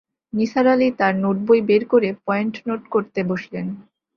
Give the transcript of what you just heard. নিসার আলি তাঁর নোটবই বের করে পয়েন্ট নোট করতে বসলেন।